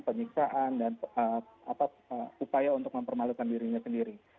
penyiksaan dan upaya untuk mempermalukan dirinya sendiri